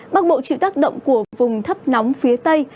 bắc bộ chịu tác động của vùng thấp nóng phía tây